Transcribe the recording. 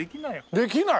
できない！？